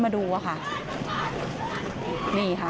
โชว์บ้านในพื้นที่เขารู้สึกยังไงกับเรื่องที่เกิดขึ้น